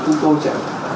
chúng tôi sẽ